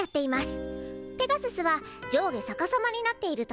ペガススは上下逆さまになっているところですね。